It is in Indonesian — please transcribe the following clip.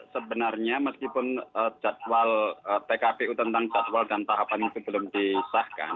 sebenarnya meskipun jadwal pkpu tentang jadwal dan tahapan itu belum disahkan